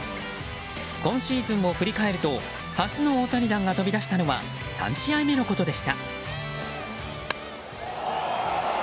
今シーズンを振り返ると初の大谷弾が飛び出したのは３試合目のことでした。